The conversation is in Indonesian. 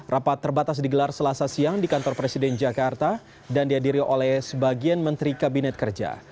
rapat terbatas digelar selasa siang di kantor presiden jakarta dan dihadiri oleh sebagian menteri kabinet kerja